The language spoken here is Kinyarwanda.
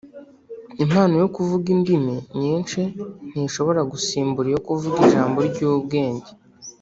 Impano yo kuvuga indimi nyinshi ntishobora gusimbura iyo kuvuga ijambo ry’ubwenge